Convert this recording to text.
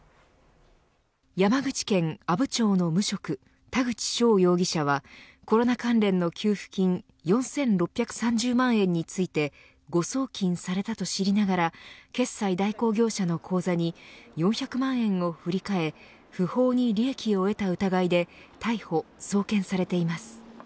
山口県阿武町の無職田口翔容疑者はコロナ関連の給付金４６３０万円について誤送金されたと知りながら決済代行業者の口座に４００万円を振り替え不法に利益を得た疑いで逮捕送検されています。